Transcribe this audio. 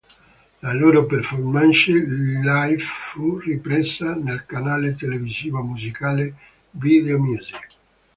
La loro performance live fu ripresa dal canale televisivo musicale Videomusic.